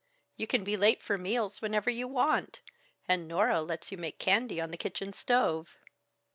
You can be late for meals whenever you want, and Nora lets you make candy on the kitchen stove."